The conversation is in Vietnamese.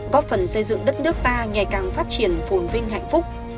góp phần xây dựng đất nước ta ngày càng phát triển phồn vinh hạnh phúc